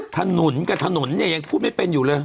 ถนนกับถนนเนี่ยยังพูดไม่เป็นอยู่เลย